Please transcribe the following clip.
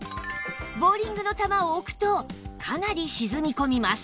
ボウリングの球を置くとかなり沈み込みます